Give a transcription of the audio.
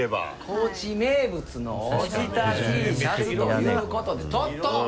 高知名物のおじたＴシャツということで。